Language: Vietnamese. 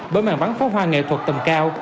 bởi màn bắn pháo hoa nghệ thuật tầm cao